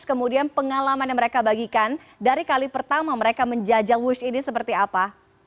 kemudian pengalaman yang mereka bagikan dari kali pertama mereka menjajal wush ini seperti apa